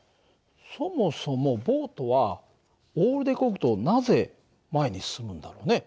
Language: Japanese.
そもそもボートはオールでこぐとなぜ前に進むんだろうね？